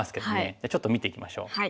じゃあちょっと見ていきましょう。